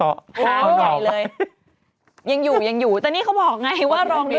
ออกไปยังอยู่ยังอยู่แต่นี่เขาบอกไงว่ารองด้วย